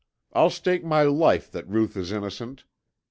I'll stake my life that Ruth is innocent."